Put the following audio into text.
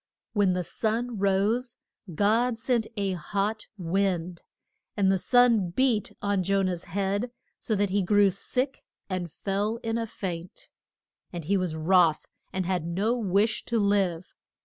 When the sun rose God sent a hot wind, and the sun beat on Jo nah's head so that he grew sick and fell in a faint. And he was wroth, and had no wish to live.